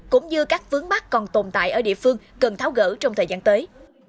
cũng như các vướng mắt còn tồn tại ở địa phương cần tháo gỡ trong thời gian tới